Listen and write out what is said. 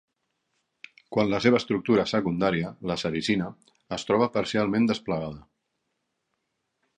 Quant a la seva estructura secundària, la sericina es troba parcialment desplegada.